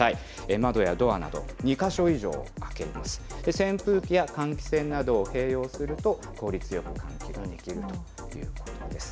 窓やドアなど、２か所以上を開けて、扇風機や換気扇などを併用すると、効率よく換気ができるということなんです。